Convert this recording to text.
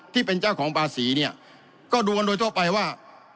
ที่เป็นเจ้าของป่าศีนี่ก็รวมโดยทั่วไปว่า